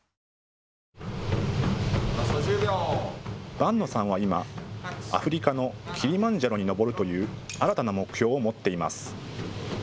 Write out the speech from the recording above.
伴野さんは今、アフリカのキリマンジャロに登るという新たな目標を持っています。